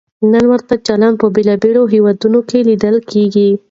نن ورته چلند په بېلابېلو هېوادونو کې لیدل کېږي.